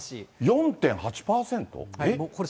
４．８％？